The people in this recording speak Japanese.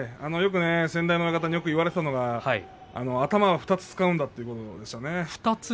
先代の親方によく言われていたのは頭を２つ使うんだということでしたね。